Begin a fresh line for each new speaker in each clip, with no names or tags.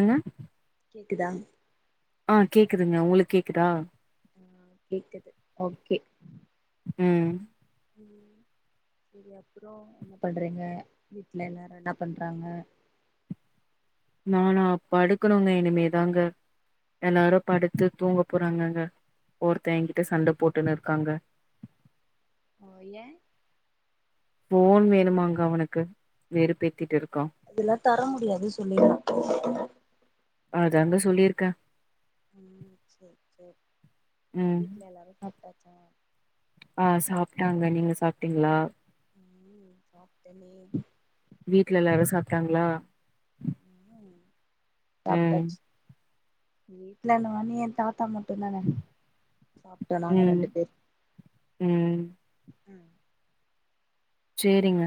என்ன
க்குதா
ஆஹ் கேக்குதுங்க உங்களுக்கு கேக்குதா
ஆஹ் கேக்குது ஓகே
உம்
என்ன பண்றீங்க வீட்டுல எல்லாரும் என்ன பண்றாங்க
நானா படுக்கணுங்க இனிமேதாங்க எல்லாரும் படுத்து தூங்க போறாங்கங்க ஒருத்தன் எங்கிட்ட சண்டை போட்டுன்னு இருக்காங்க
ஓ ஏன்
போன் வேணுமாங்க அவனுக்கு வெறுப்பேத்திட்டு இருக்
அதெல்லா தர முடியாது சொல்லிருங்க [unintelligible]
அதாங்க சொல்லியிருக்கேன்
செரி செரி வீட்டுல எல்லாரும் சாப்பிட்டாச்சா [unintelligible]
ஆஹ் சாப்பிட்டாங்க நீங்க சாப்பிட்டீங்களா
உம் உ சாப்ட்டேனே
வீட்டு்ல எல்லாரும் சாப்பிட்டாங்களா
சாப்டாச்சு வீட்ல என்ன வனியன் தாத்தா மட்டு ம தானே சாப்பிட்டனும் அங்க
ம்
ரெண்டு பேர்
ம்
ம்
சரிங்க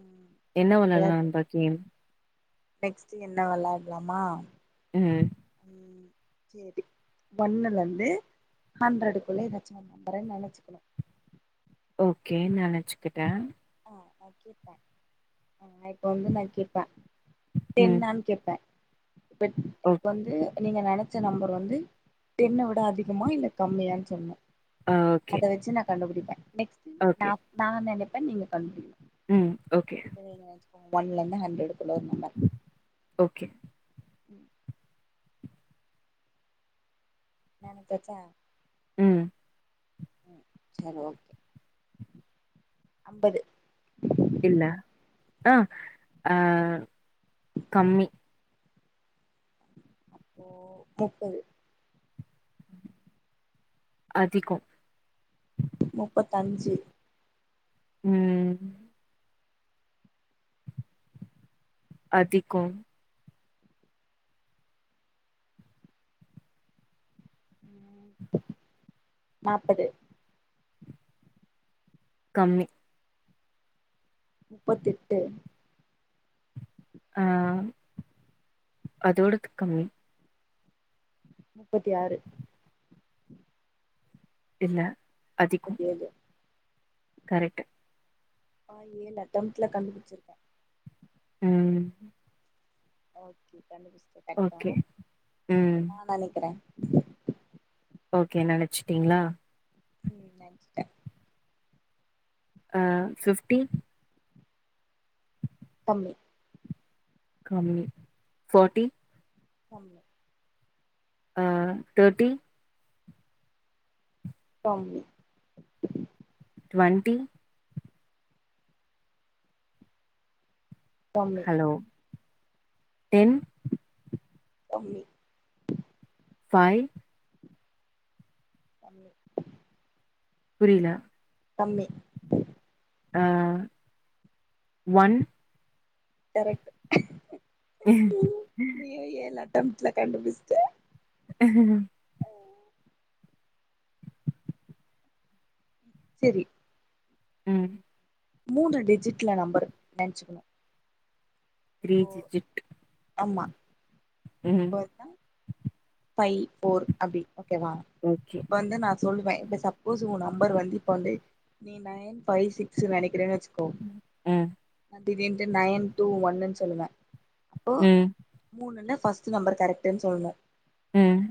ம்
என்ன
சேரி
வளலாம் நான் பக்கேன்
நெக்ஸ்ட் என்ன விளாடலாமா
உஹம்
சரி ஒண்ணுல இருந்து ஹண்ட்ரடுக்குள்ள ஏதாச்சும் நம்பற நினைச்சக்கணும்
ஓகே நினைச்சுக்கிட்டேன்
இப்ப வந்து நா கேப்பே
ம்
என் நான்னு கேட்பேன் இப்ப
ஓ
இப்ப வந்து நீங்க நினைச்ச நம்பர் வந்து டென்ன விட அதிகமா இல்லை கம்மியான்னு சொன்னேன்
ஆ ஓகே
அத வச்சு நான் கண்டுபிடிப்பன் நெக்ஸ்ட்
ஓகே
நான் நான் நி பண்ண நீங்க நன்றி
ம் ஓகே
இப்ப நீங்க ஒன்லண்ண ஹண்ட்ரடு எதோ ஒரு நம்பர்
ஓகே
நினச்சாச்சா
உம்
உம் சரி ஓகே ஐம்பது
இல்ல ஆஹ் அஹ் கம்மி
அப்போ முப்பது
அதிகம்
முப்பத்தஞ்சு
உம் அதிகம்
உம் நாப்பது
கம்மி
முப்பத் எட்டு
ஆஹ் அதோட க கம்மி
முப்பத்தி ஆறு
இல்ல
முப்பத்தி ஏழு
கரெட்டு
பார் ஏழு அட்டம்டுல கண்டுபிடிச்சிருக்கே
உம்
ஓகே கண்டு புடிச்சுட்ட கரெக்ட்டா
ஓகே ம்
என்னா நெனைக்கிற
ஓகே நெனச்சுட்டீங்களா
உம் நெனச்சிட்டே
ஆ ஃபிஃப்டி
கம்மி
கம்மி ஃபாட்டி
கம்மி
ஆஹ் தேர்ட்டி
கம்மி
டுவெண்ட்டி
தம்பி
ஹலோ டென்
கம்மி
ஃபைவ்
கம்மி
புரியல
கம்மி
ஹா ஒன்
கரெக்ட் நீயு ஏழு அட் டம்ட்டுல கண்டுபிஸ்ட
அஹ ஹிங்
செரி
ம்
உம் மூன்று டிஜிட்ல நம்பர் நெனச்சுக்கோங்க
த்ரீ ஜீஜிட்
ஆமா இப்போ வர்தா ஃபை ஃபோர் அப்டி ஓகே வா
ஓகே
இப்ப வந்து நா சொல்லுவே இப்ப சப்போஸ் சு ஒ நம்பர் வந்து இப்ப வந்து த்ரி நைன் பைவ் சிக்ஸ் நெனைக்கிறேன்னு வச்சுக்
அ
திடிருன்ட்டு நைன் டூ ஒன்னுன்னு சொல்லுவே அப்போ
ம்
மூணுன்னா ஃபஸ்ட்டு நம்பர் கரெக்டுன்னு சொல்னு
உம்.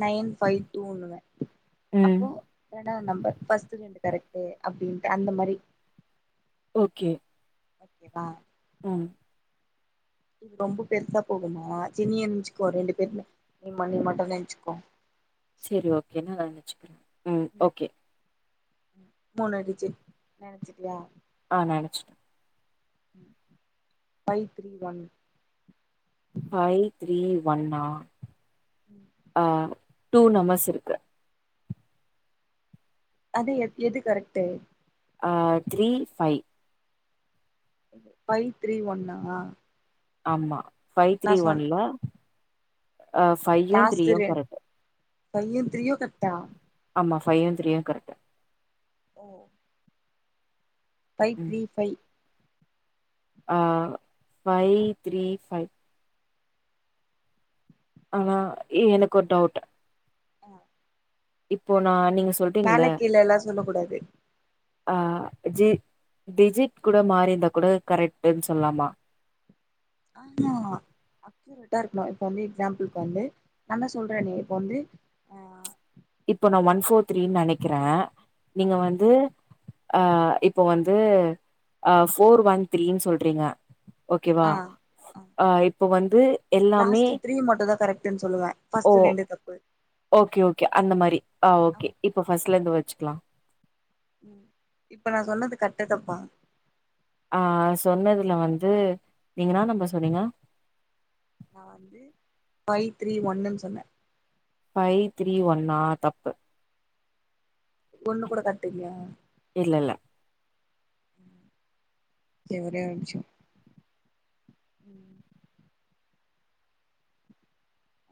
நைன் ஃபைவ் டூன்னுவ
ம்
அப்போ ரெண்டாவது நம்பர் பஸ்ட்டு ரெண்டு கரெக்ட்டு அப்டின்ட்டு அந்த மாரி
ஓகே
ஓகேவா
ம்.
இது ரொம்ப பெருசா போகுமா சினிய நென்ச்சுக்கோ ரெண்டு பேருமே நீ மணி மட்டும் நெனச்சுக்கோ.
சேரி ஓகே நல்லாருங்க. சிக்கன் ம் ஓகே.
மூணு டிஜிட் நெனச்சிட்டியா.
ஆ நெனச்சிட்டே
five three one.
Five three ஒன்னா. ஆ டூ நம்பர்ஸ் இருக்கு
அது எ எது கரெக்ட்டு
ஆ த்ரீ ஃபை
ஃபை த்ரீ ஒன்னா.
ஆமா ஃபை
நா
த்ரீ
சொன்
ஒன்ல ஆ ஃபையும் த்ரீயும் கரெக்ட்டு.
ஃபையும் த்ரீயும் கரெட்டா.
ஆமா ஃபையு த்ரீயு கரெக்ட்டு.
ஓ. ஃபை
ம்
த்ரீ ஃபை.
ஆ ஃபை த்ரீ ஃபை ஆனா எனக்கு ஒரு டவுட்.
ஆ
இப்போ நா நீங்க சொல்றீங்கல்ல
மேலக்கீழ எல்லா சொல்லக் கூடாது.
ஆ ஜி டிஜிட் கூட மாறிருந்தா கூட கரெக்ட்டுன்னு சொல்லுலாமா.
ஆமா அக்யூரட்டா இருக்கணு இப்ப வந்து எக்ஸாம்பிள்க்கு வந்து நா தா சொல்றனே இப்ப வந்து ஆ
இப்போ நா ஒன் ஃபோர் த்ரீனு நெனைக்கிறேன்
ஆ
நீங்க வந்து. ஆ இப்போ வந்து அ ஃபோர் ஒன் த்ரீனு சொல்றீங்க ஓகேவா ஆ இப் இப்ப வந்து எல்லாமே
லாஸ்ட்டு த்ரீ மட்டுதா கரெக்ட்டுனு சொல்லுவே
ஓ
ஃபஸ்ட்டு ரெண்டு தப்பு
ஓகே ஓகே அந்த மாரி ஆ ஓகே
ஆமா
இப்ப ஃபஸ்ட்ல இருந்து வரு வச்சுக்லா
உம் இப்ப நான் சொன்னது கரட்டா தப்பா
ஆஹ் சொன்னதுல வந்து நீங்கனா நம்ப சொன்னீங்க
நா வந்து ஃபைவ் த்ரீ ஒன்னுன் சொன்னே
ஃபைவ் த்ரீ ஒன்னா தப்பு
ஒண்ணு கூட கரட்டு இல்லையா
இல்லல்ல
செரி ஒரே ஒரு நிம்ச்சோ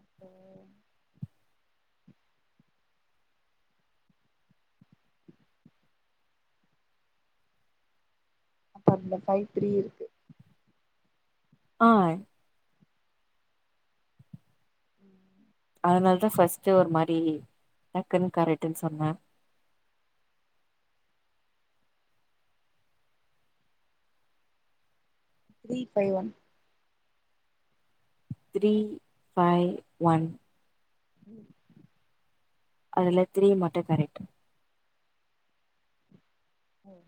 அப்போ அப்ப இந்த ஃபைவ் த்ரீ இருக்கு
ஆஹ் அதனாலதா ஃபஸ்ட் ஒரு மாரி டக்குன்னு கரைட்டுன்னு சொன்னே
three five one
three five one
ம்
அதெல்லா ஃத்ரீ மட்டு கரெக்ட்
ம்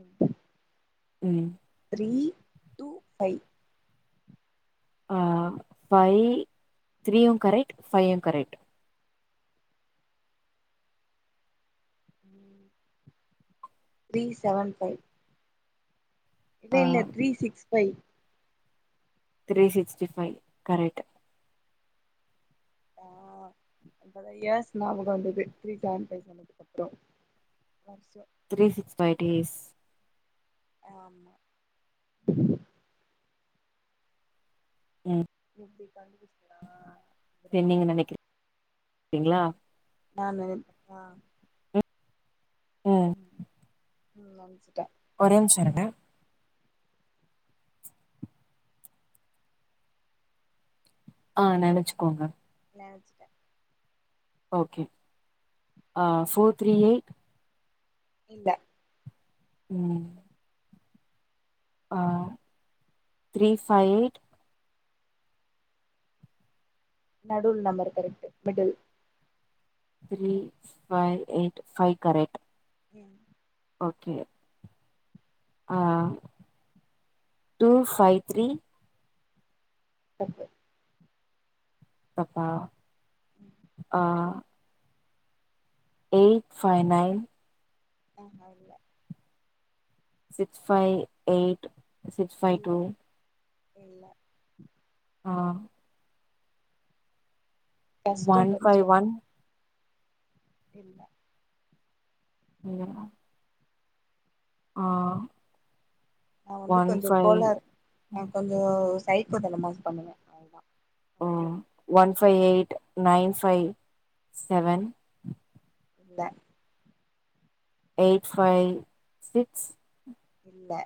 ம்
ம்
த்ரீ ட்டூ ஃபைவ்
ஆ ஃபைவ் த்ரீயும் கரெக்ட் ஃபைவும் கரெக்ட்
த்ரீ செவன் ஃபைவ் இல்ல
ஆ
இல்ல three six five
three sixty five correct
ஆஹ் இப்பதா இயர்ஸ் ஞாபகம் வந்தது த்ரீ செவன் ஃபை சொன்னதுக்ககப்புறோ
த்ரீ சிக்ஸ் ஃபைவ் டேஸ்
ஆமா
ம்
இது கண்டிச்தா அப்புறமா
ங்ளா
நா நெனக் வா ம் ம் அம்ச்சிட்டே
ஒரே நிமிஷோங்ருக்க ஆஹ் நெனச்சுக்கோங்க
நெனச்சிட்டே
ஓகே ஆ்
ம்
ஃபோர் த்ரீ எயிட்
இல்ல
உம் ஆஹ் த்ரீ ஃபைவ் எயிட்
நடுவுல் number correct middle
three five eight five correct
உம்
ஓக்கே ஆ டூ ஃபைவ் த்ரீ
தப்பு
தப்பா
ம்
ஆ எயிட் ஃபை நைன்
ஆமா இல்ல
six five eight six five
இல்ல
டூ
இல்ல
ஆ
கஷ்டோ
ஒன் ஃபை
கொஞ்சோ
ஒன்
இல்ல
[unintelligible] ஆ
நா வந்து
ஒன்
கொஞ்சோ
ஃபைவ்
கோலாறு நா கொஞ்சோ டைப்பத நமாஸ் பண்ணுவ அவ்ல்தா
ம் one five eight nine five seven
இல்ல
எயிட் ஃவை சிக்ஸ்
இல்ல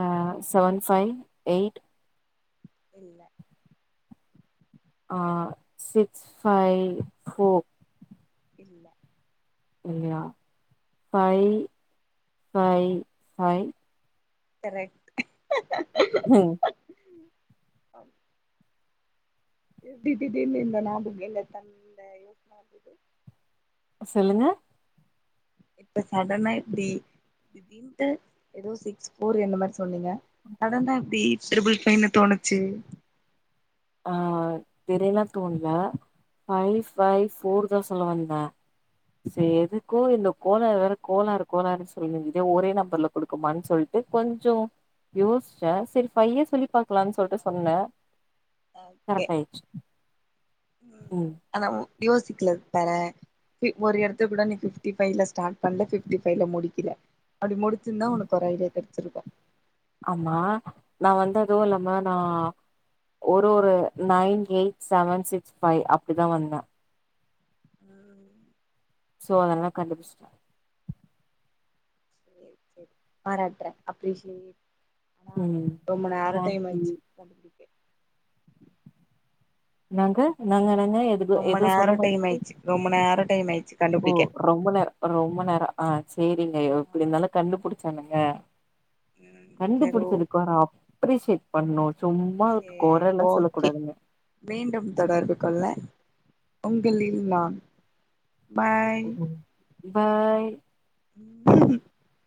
ஆ செவன் ஃபைவ் எயிட்
இல்ல
ஆ சிக்ஸ் ஃபைவ் ஃபோர்
இல்ல
இல்லயா ஃபை ஃபை ஃபை
கரெக்ட்
ம்
ஆ எப்டி திடீர்னு இந்த நாபகோ இந்த தந்த யோசன வந்தது
சொல்லுங்க
இப்ப சடனா எப்பிடி இப்பிடின்டு எதோ சிக்ஸ் போர் என்ன மாரி சொன்னீங்க சடனா எப்பிடி டிரிபில் ஃபைனு தோணுச்சு
ஆ தீடிர்னா தோணுல ஆ ஃபை ஃபை ஃபோர்தா சொல்லவந்தே செரி எதுக்கு இந்த கோலாறு வேற கோலாறு கோலாருன்னு சொல்லங்கே ஒரே நம்பர்ல குடுக்குமான்னு சொல்ட்டு கொஞ்சு யோஸ்ச்சே செரி ஃபையே சொல்லி பாக்கலான்னு சொல்ட்டு சொன்னுனே கரெட்டாயிச்சு
அனவ்வு யோசிக்கல பாரே பி ஒரு எடத்துல கூட நீ ஃபிப்டி ஃபைவ்ல ஸ்டார்ட் பண்ணல, ஃபிப்டி ஃபைவ்ல முடிக்கல. அப்படி முடிச்சிருந்தா உனக்கு ஒரு ஐடியா கெடச்சிருக்கு
ஆமா நா வந்ததது இல்லாம நா ஒரு ஒரு nine, eight, seven, six, five அப்படிதா வந்தே சோ அதெல்லா கண்டுபுடிச்சிட்டா
பாராட்ர அப்டி செட் ஆனா
ம்
ரொம்ப நேர டைம்
தேங்க்யூ
ஆச்சு
நாங்க - நங்க - நங்
ரொம்ப நேரோ டைம் ஆயிச்சு- ரொம்ப நேரோ டைம் ஆயிச்சு
ஓ ரொம்ப நேர - ரொம்ப நேர ஆஹ் சேரிங்கயா எப்டி
ஆமா
இருந்தாலும் கண்டு புடிச்சானுங்கள
ம் சரி ஓ
கண்டுபுடிச்சதுக்குரம் அப்ரிசெட் பன்னோன்
ஓகே மீண்டும் தொடர்பு கொள்ள உங்களில் நா பாய்
ம் பாய்
[unintelligible]